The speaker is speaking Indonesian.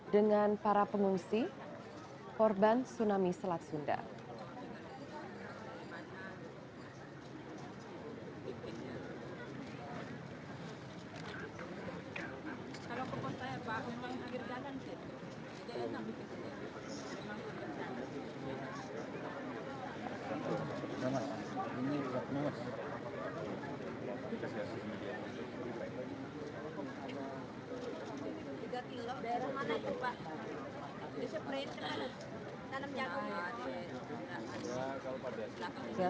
dengan para pengungsi korban tsunami selat sunda